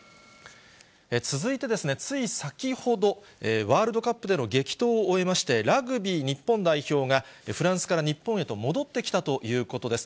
続いて、つい先ほど、ワールドカップでの激闘を終えまして、ラグビー日本代表が、フランスから日本へと戻ってきたということです。